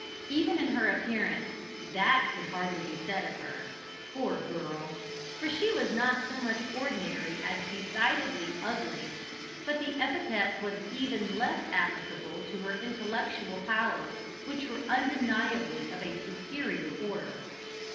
Even in her appearance that could hardly be said of her, poor girl! for she was not so much ordinary as decidedly ugly, but the epithet was even less applicable to her intellectual powers, which were undeniably of a superior order.